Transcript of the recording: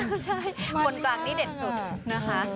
แต่ก็สามเพื่อนยิ่งเด่นไปใหญ่นะคะ